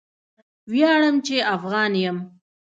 ویاړم چې افغان یم